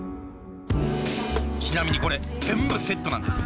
ちなみにこれ全部セットなんです。